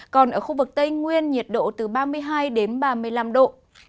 còn ở khu vực tây nguyên nhiệt độ từ ba mươi hai đến ba mươi năm độ